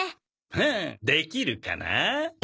フッできるかな？